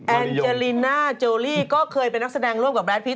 แอนเจลิน่าโจลี่ก็เคยเป็นนักแสดงร่วมกับแรดพิษ